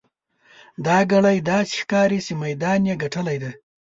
دا ګړی داسې ښکاري چې میدان یې ګټلی دی.